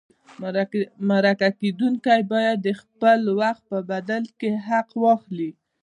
مرکه کېدونکی باید د خپل وخت په بدل کې حق واخلي.